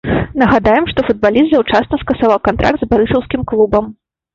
Нагадаем, што футбаліст заўчасна скасаваў кантракт з барысаўскім клубам.